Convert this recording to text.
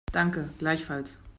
Danke, gleichfalls.